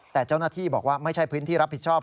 แต่เจ้าหน้าที่บอกว่าไม่ใช่พื้นที่รับผิดชอบ